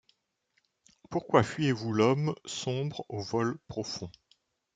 Pourquoi fuyez-vous l’homme sombreAu vol profond ?